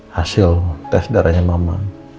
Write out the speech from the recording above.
hasil tes darahnya mama